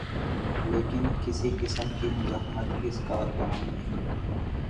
لیکن کسی قسم کی مزاحمت اس کا کام نہیں۔